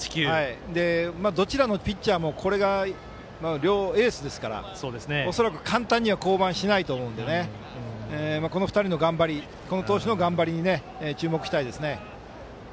どちらのピッチャーもこれが両エースですから恐らく、簡単には降板しないと思うのでこの２人の頑張り投手の頑張りに注目したいですね。